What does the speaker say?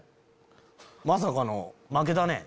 まさかの負けたね。